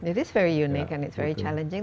ini sangat unik dan sangat menantang